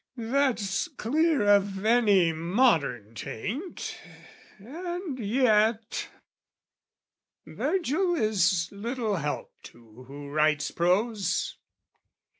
That's clear of any modern taint: and yet... Virgil is little help to who writes prose.